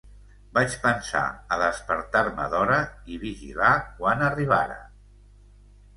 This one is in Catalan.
Vaig pensar a despertar-me d'hora i vigilar quan arribara.